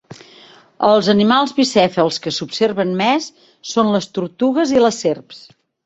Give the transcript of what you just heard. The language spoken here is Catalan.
Els animals bicèfals que s'observen més són les tortugues i les serps.